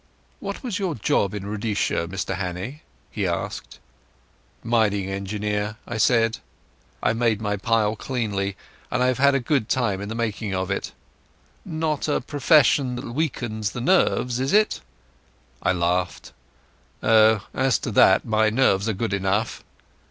"What was your job in Rhodesia, Mr Hannay?" he asked. "Mining engineer," I said. "I've made my pile cleanly and I've had a good time in the making of it." "Not a profession that weakens the nerves, is it?" I laughed. "Oh, as to that, my nerves are good enough."